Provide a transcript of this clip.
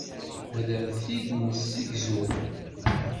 Ad am-t-id-nessegzu.